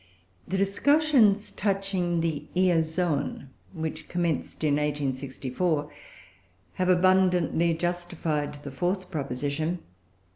The discussions touching the Eozoon, which commenced in 1864, have abundantly justified the fourth proposition.